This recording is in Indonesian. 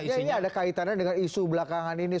artinya ini ada kaitannya dengan isu belakangan ini